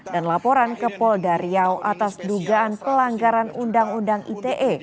dan laporan ke polis daryaw atas dugaan pelanggaran undang undang ite